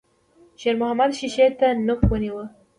شېرمحمد ښيښې ته نوک ونيو.